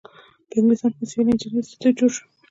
په انګلستان کې د سیول انجینری انسټیټیوټ جوړ شو.